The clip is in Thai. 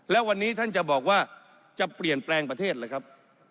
แล้ววันนี้ท่านจะบอกว่าจะเปลี่ยนแปลงประเทศเลยครับ